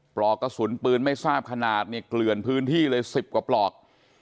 ปลอกกระสุนปืนไม่ทราบขนาดเนี่ยเกลื่อนพื้นที่เลย๑๐กว่าปลอก